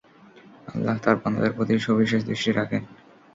আল্লাহ্ তাঁর বান্দাদের প্রতি সবিশেষ দৃষ্টি রাখেন।